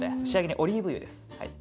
仕上げにオリーブ油です。